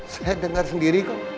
saya denger sendiri kok